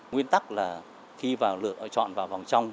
nguyên tắc là khi chọn vào vòng trong